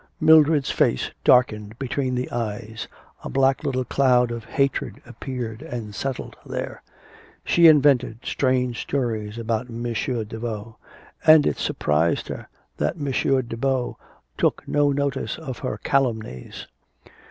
Mildred's face darkened between the eyes, a black little cloud of hatred appeared and settled there. She invented strange stories about M. Daveau; and it surprised her that M. Daveau took no notice of her calumnies.